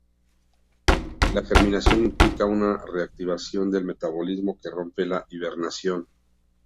La germinación implica una reactivación del metabolismo que rompe la hibernación.